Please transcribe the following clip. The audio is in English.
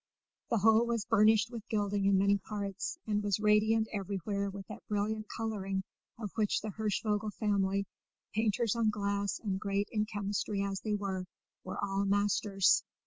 The whole was burnished with gilding in many parts, and was radiant everywhere with that brilliant colouring of which the Hirschvogel family, painters on glass and great in chemistry as they were, were all masters.